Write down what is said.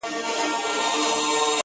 تا بدرنگۍ ته سرټيټی په لېونتوب وکړ؛